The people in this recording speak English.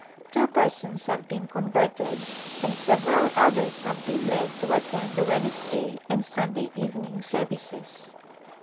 Two persons have been converted and several others have been led to at tend the Wednesday and Sunday evening services.